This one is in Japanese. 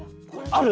ある？